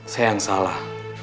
saya yang salah